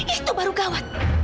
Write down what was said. itu baru gawat